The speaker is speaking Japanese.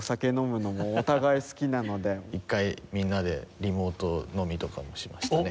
１回みんなでリモート飲みとかもしましたね。